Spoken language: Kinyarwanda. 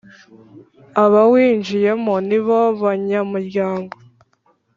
abawinjiyemo nibo banyamuryango